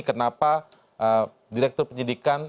kenapa direktur penyidikan